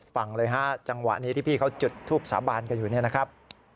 ฟังเลยฮะจังหวะนี้ที่พี่เขาจุดทูบสาบานกันอยู่เนี่ยนะครับ